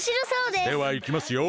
ではいきますよ！